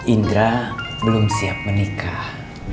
indra belum siap menikah